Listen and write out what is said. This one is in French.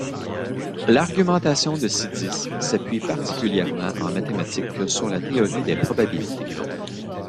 L'argumentation de Sidis s'appuie particulièrement en mathématiques sur la théorie des probabilités.